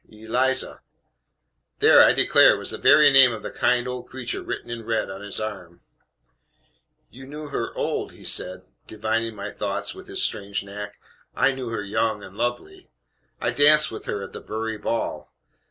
"Eliza " There, I declare, was the very name of the kind old creature written in red on his arm. "YOU knew her old," he said, divining my thoughts (with his strange knack); "I knew her young and lovely. I danced with her at the Bury ball.